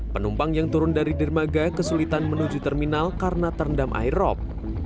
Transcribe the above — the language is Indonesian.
penumpang yang turun dari dermaga kesulitan menuju terminal karena terendam air rop